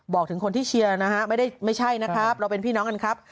บอกถึงคนที่เชียร์นะฮะไม่ใช่นะครับเราเป็นพี่น้องกันครับ